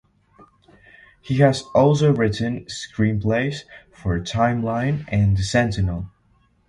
He has also written screenplays for "Timeline" and "The Sentinel.